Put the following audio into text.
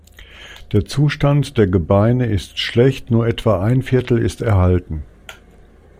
Der Zustand der Gebeine ist schlecht, nur etwa ein Viertel ist erhalten.